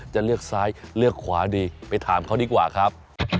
จะเลือกซ้ายเลือกขวาดีไปถามเขาดีกว่าครับ